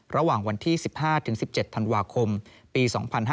ระหว่างวันที่๑๕๑๗ธันวาคมปี๒๕๕๙